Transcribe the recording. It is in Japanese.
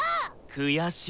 悔しい。